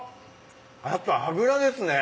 あと脂ですね。